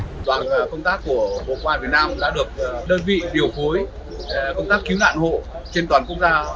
đoàn công tác của bộ quản việt nam đã được đơn vị điều phối công tác cứu nạn hộ trên toàn quốc gia